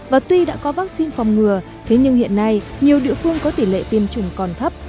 và tuy đã có vaccine phòng ngừa thế nhưng hiện nay nhiều địa phương có tỷ lệ tiêm chủng còn thấp